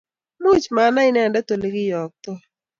Much manai inendet olekiyoytoi